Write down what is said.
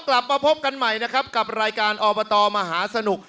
กลับมาเจอกันกันใหม่กับรายการอบตมาฮาสนุก